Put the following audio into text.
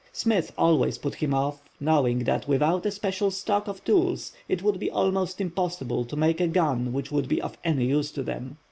Smith always put him off, knowing that without a special stock of tools it would be almost impossible to make a gun which would be of any use to them.